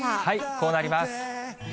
こうなります。